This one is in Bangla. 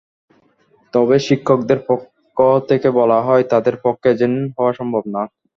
তবে শিক্ষকদের পক্ষ থেকে বলা হয়, তাঁদের পক্ষে এজেন্ট হওয়া সম্ভব না।